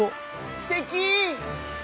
「すてき！」。